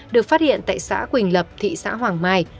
được phát hiện tại xã quỳnh lập thị xã hoàng mai